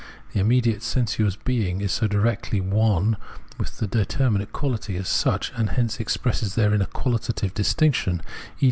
The immediate sensuous being is directly one with the determinate quahty as such, and hence expresses therein a quahtative distinction, e.